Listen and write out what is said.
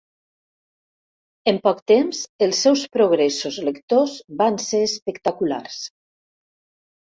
En poc temps els seus progressos lectors van ser espectaculars.